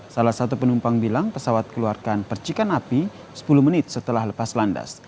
salah satu penumpang bilang pesawat keluarkan percikan api sepuluh menit setelah lepas landas